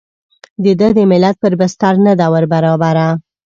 د ده د ملت پر بستر نه ده وربرابره.